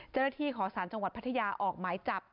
เจ้าหน้าที่ขอสารจังหวัดพัทยาออกหมายจับ